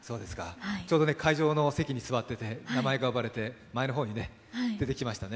ちょうど会場の席に座ってて名前が呼ばれて、前の方に出てきましたね。